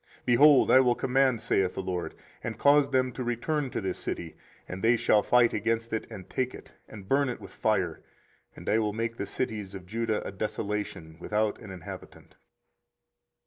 24:034:022 Behold, I will command, saith the LORD, and cause them to return to this city; and they shall fight against it, and take it, and burn it with fire: and I will make the cities of Judah a desolation without an inhabitant.